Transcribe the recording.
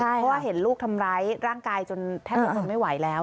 เพราะว่าเห็นลูกทำร้ายร่างกายจนแทบจะทนไม่ไหวแล้ว